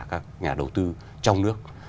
các nhà đầu tư trong nước